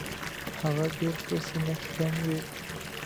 هغه ډېر په سینه کې تنګ دی.